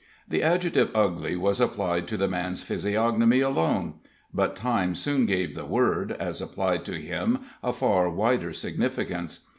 The adjective ugly was applied to the man's physiognomy alone; but time soon gave the word, as applied to him, a far wider significance.